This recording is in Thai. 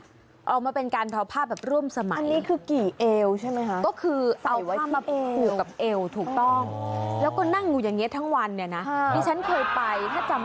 เอามาเป็นการทอผ้าแบบร่วมสมัย